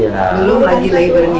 belum lagi labernya